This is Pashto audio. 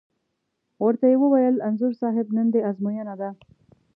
ور ته یې وویل: انځور صاحب نن دې ازموینه ده.